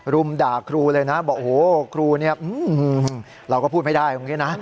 รุมด่าครูเลยนะบอกโอ้โหครูเนี่ยเราก็พูดไม่ได้เมื่อกี้นะ